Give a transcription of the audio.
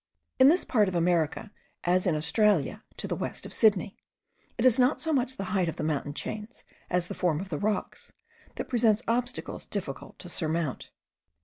In this part of America, as in Australia* to the west of Sydney, it is not so much the height of the mountain chains, as the form of the rocks, that presents obstacles difficult to surmount.